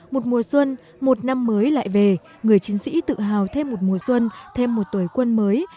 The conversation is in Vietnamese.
một mùa xuân một năm mới lại về người chiến sĩ tự hào thêm một mùa xuân thêm một tuổi quân mới